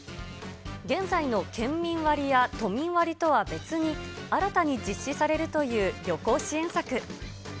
現在の県民割や都民割とは別に、新たに実施されるという旅行支援策。